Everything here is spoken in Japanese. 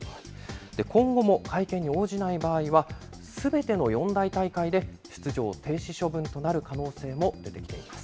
今後も会見に応じない場合は、すべての四大大会で出場停止処分となる可能性も出てきています。